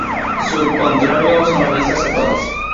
Su contrario son las "listas cerradas".